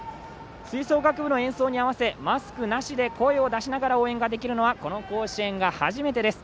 吹奏楽部の演奏に合わせマスクなしで声を出しながら応援ができるのはこの甲子園が初めてです。